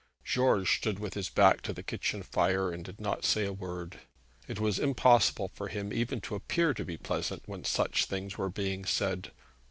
George stood with his back to the kitchen fire, and did not say a word. It was impossible for him even to appear to be pleasant when such things were being said.